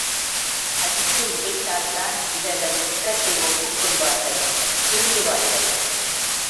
அடித்து உதைத்தால்தான் இவர்கள் குற்றத்தை ஒப்புக்கொள்வார்கள் திருந்துவார்கள்.